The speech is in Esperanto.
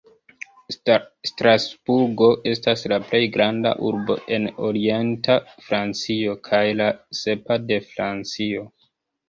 Strasburgo estas la plej granda urbo en orienta Francio, kaj la sepa de Francio.